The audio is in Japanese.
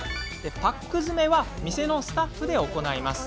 パック詰めは店のスタッフで行います。